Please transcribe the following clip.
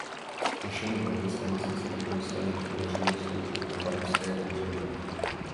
Našemu velvyslanci se dokonce ani nepodařilo vstoupit na barmské území.